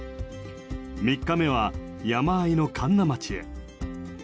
３日目は山あいの神流町へ。